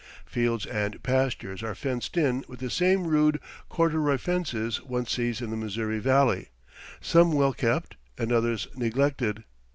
Fields and pastures are fenced in with the same rude corduroy fences one sees in the Missouri Valley, some well kept and others neglected.